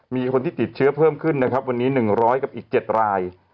มีคนที่ติดเชื้อเพิ่มขึ้นนะครับวันนี้หนึ่งร้อยกับอีกเจ็ดราย